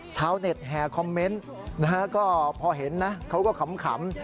ชาวเน็ตแห่คอมเมนต์นะฮะก็พอเห็นนะเขาก็ขำ